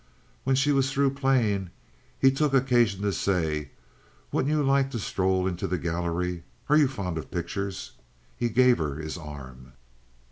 When she was through playing he took occasion to say: "Wouldn't you like to stroll into the gallery? Are you fond of pictures?" He gave her his arm.